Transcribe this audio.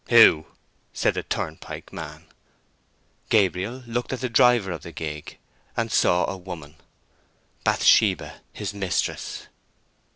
"Who?" said the turnpike man. Gabriel looked at the driver of the gig, and saw a woman—Bathsheba, his mistress.